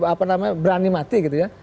apa namanya berani mati gitu ya